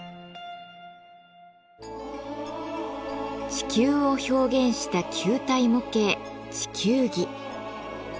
地球を表現した球体模型地球儀。